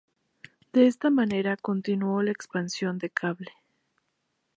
De esta manera continuó la expansión de cable.